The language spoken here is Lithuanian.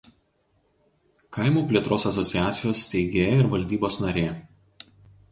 Kaimo plėtros asociacijos steigėja ir valdybos narė.